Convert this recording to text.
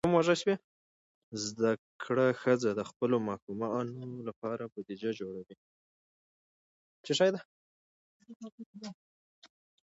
زده کړه ښځه د خپلو ماشومانو لپاره بودیجه جوړوي.